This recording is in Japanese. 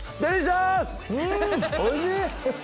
おいしい！